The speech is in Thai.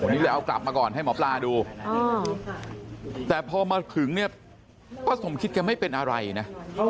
นี่เลยเอากลับมาก่อนให้หมอปลาดูแต่พอมาถึงเนี่ยป้าสมคิดแกไม่เป็นอะไรนะ